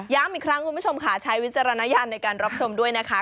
อีกครั้งคุณผู้ชมค่ะใช้วิจารณญาณในการรับชมด้วยนะคะ